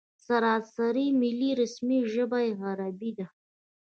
سراسري ملي رسمي ژبه یې عربي ده.